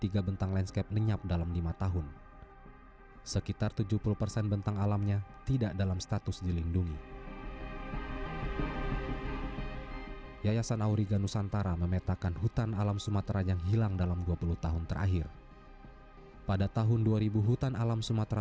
kedua faktornya adalah karena kebetulan di lokasi ini juga terjadi kematian puluhan babi liar